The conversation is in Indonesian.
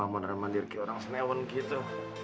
mudah mudahan mandir ke orang snewen gitu